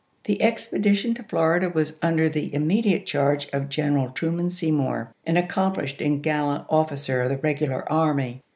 The expedition to Florida was under the imme diate charge of General Truman Seymour, an ac complished and gallant officer of the regular army.